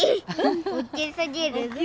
大きすぎる。